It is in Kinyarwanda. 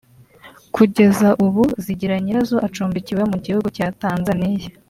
Kugeza ubu Zigiranyirazo acumbikiwe mu gihugu cya Tanzania